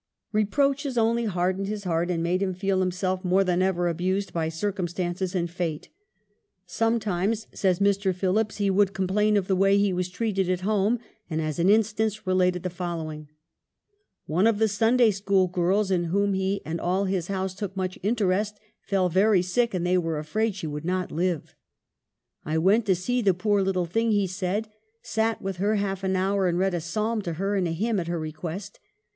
1 Reproaches only hardened his heart and made him feel himself more than ever abused by cir cumstances and fate. "Sometimes," 2 says Mr. Phillips, "he would complain of the way he was treated at home, and, as an instance, related the following :" One of the Sunday school girls, in whom he and all his house took much interest, fell very sick, and they were afraid she would not live. "' I went to see the poor little thing,' he said, ' sat with her half an hour and read a psalm to her and a hymn at her request.